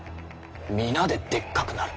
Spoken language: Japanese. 皆ででっかくなる。